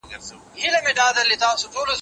زه به قلم استعمالوم کړی وي.